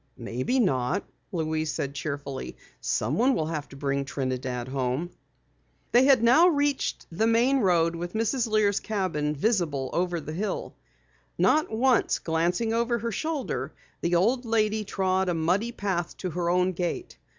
"Maybe not," Louise said cheerfully. "Someone will have to bring Trinidad home." They had now reached the main road with Mrs. Lear's cabin visible over the hill. Not once glancing over her shoulder, the old lady trod a muddy path to her own gate.